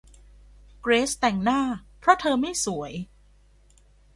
เกรซแต่งหน้าเพราะเธอไม่สวย